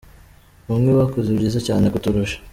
Bamwe bakoze byiza cyane kuturusha.